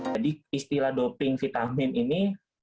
jadi istilah doping vitamin ini